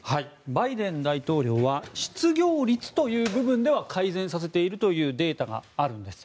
バイデン大統領は失業率という部分では改善させているというデータがあるんです。